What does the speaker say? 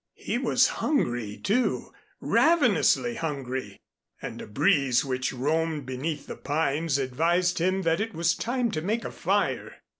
He was hungry, too, ravenously hungry, and a breeze which roamed beneath the pines advised him that it was time to make a fire.